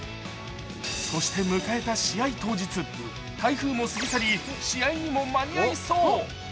そして迎えた試合当日、台風も過ぎ去り、試合にも間に合いそう。